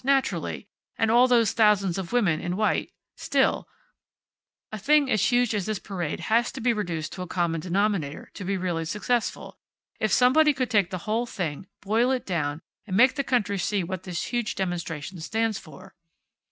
Naturally. And all those thousands of women, in white still, a thing as huge as this parade has to be reduced to a common denominator, to be really successful. If somebody could take the whole thing, boil it down, and make the country see what this huge demonstration stands for."